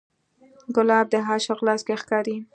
ګلاب د عاشق لاس کې ښکاري.